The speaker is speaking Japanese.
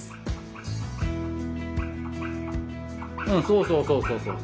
そうそうそうそうそう。